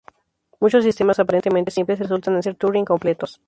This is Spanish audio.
Muchos sistemas aparentemente simples resultan ser Turing completos.